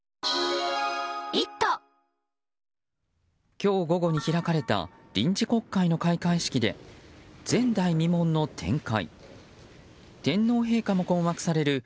今日午後に開かれた臨時国会の開会式で前代未聞の展開。